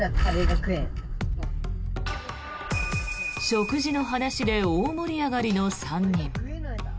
食事の話で大盛り上がりの３人。